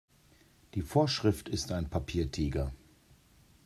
Die Vorschrift ist ein Papiertiger.